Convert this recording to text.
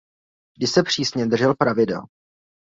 Vždy se přísně držel pravidel.